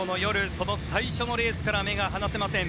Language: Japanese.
その最初のレースから目が離せません。